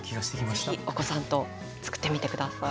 是非お子さんとつくってみて下さい。